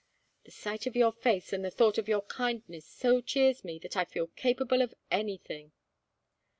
The sight of your face, and the thought of your kindness, so cheers me that I feel capable of anything."